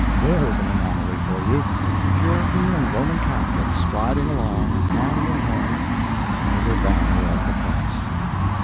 There is an anomaly for you—Puritan and Roman Catholic striding along, hand in hand, under the banner of the Cross!